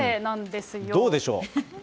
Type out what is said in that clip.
どうでしょう。